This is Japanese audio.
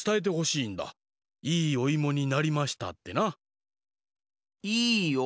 「いいおいもになりました」？